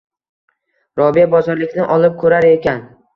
Robiya bozorlikni olib koʻrar ekan.